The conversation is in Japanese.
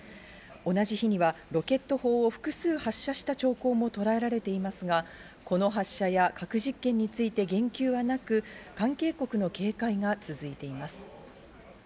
同じ日にはロケット砲を複数発射した兆候もとらえられていますが、この発射や核実験について言及はなく、関係国の警戒が続いています。